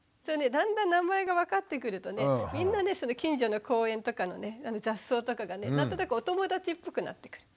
だんだん名前が分かってくるとみんなねその近所の公園とかのね雑草とかがね何となくお友達っぽくなってくる。